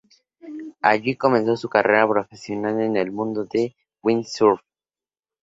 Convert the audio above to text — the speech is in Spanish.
Allí comenzó su carrera profesional en el mundo del windsurf.